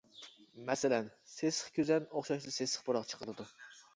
مەسىلەن: سېسىق كۈزەن ئوخشاشلا سېسىق پۇراق چىقىرىدۇ.